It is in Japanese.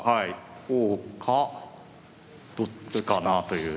こうかどっちかなという。